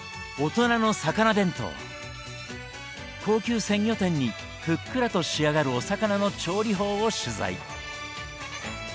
高級鮮魚店にふっくらと仕上がるお魚の調理法を取材。